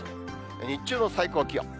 日中の最高気温。